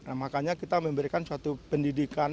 nah makanya kita memberikan suatu pendidikan